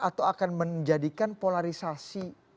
atau akan menjadikan polarisasi